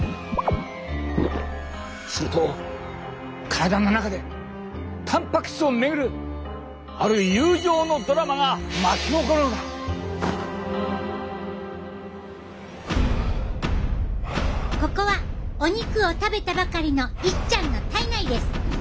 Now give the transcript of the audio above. すると体の中でたんぱく質を巡るある友情のドラマがここはお肉を食べたばかりのいっちゃんの体内です。